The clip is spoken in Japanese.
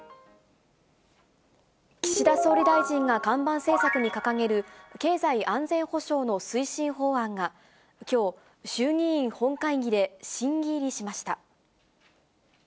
岸田総理大臣が看板政策に掲げる、経済安全保障の推進法案が、きょう、衆議院本会議で審議入りしました。